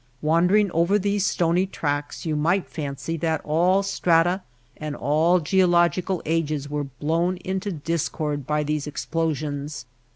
Wandering over these stony tracks you might fancy that all strata and all geological ages were blown into discord by those explo sions.